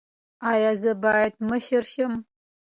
ایا زه باید مشر شم؟